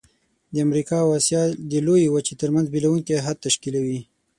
د امریکا او آسیا د لویې وچې ترمنځ بیلوونکی حد تشکیلوي.